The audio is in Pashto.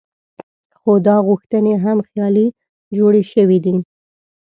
خو دا غوښتنې هم خیالي جوړې شوې دي.